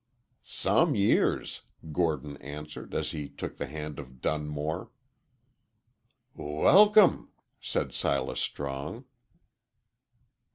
"Some years," Gordon answered, as he took the hand of Dunmore. "W welcome!" said Silas Strong.